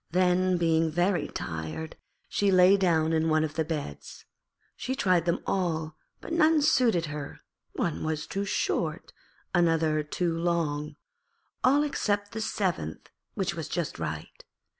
Then, being very tired, she lay down in one of the beds. She tried them all but none suited her; one was too short, another too long, all except the seventh, which was just right.